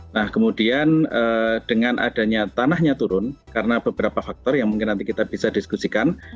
nah kemudian dengan adanya tanahnya turun karena beberapa faktor yang mungkin nanti kita bisa diskusikan